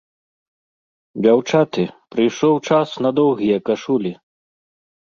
Дзяўчаты, прыйшоў час на доўгія кашулі!